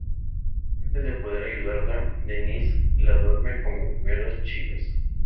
Antes de poder ayudarla, "Dennis" la duerme como durmió a las chicas.